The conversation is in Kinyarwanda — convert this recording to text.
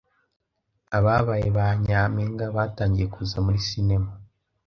ababaye ba nyampinga batangiye kuza muri Cinema